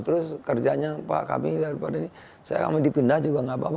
terus kerjanya pak kami daripada ini saya kami dipindah juga nggak apa apa